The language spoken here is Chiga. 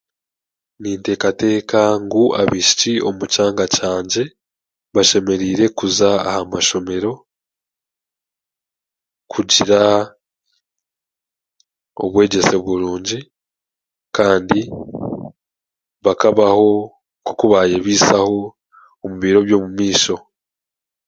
Ninteekateeka ngu abaishiki omu kyanga kyangye bashemereire kuza aha mashomero kugira obwegyese burungi kandi bakabaho nk'oku baayebaisaho omu biro by'omumaisho